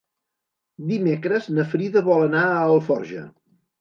Dimecres na Frida vol anar a Alforja.